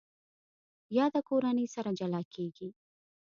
یاده کورنۍ سره جلا کېږي.